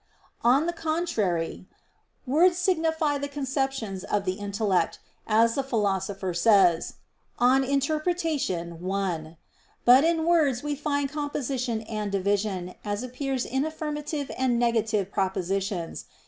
On the contrary, Words signify the conceptions of the intellect, as the Philosopher says (Peri Herm. i). But in words we find composition and division, as appears in affirmative and negative propositions.